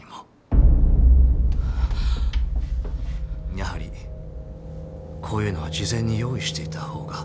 やはりこういうのは事前に用意していた方が。